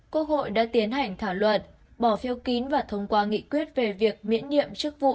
quốc hội đã tiến hành thảo luận bỏ phiếu kín và thông qua nghị quyết về việc miễn nhiệm chức vụ